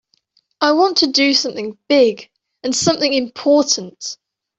I want to do something big and something important.